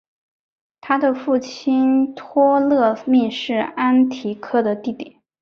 他的父亲托勒密是安提柯的弟弟。